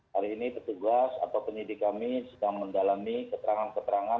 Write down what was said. hari ini petugas atau penyidik kami sedang mendalami keterangan keterangan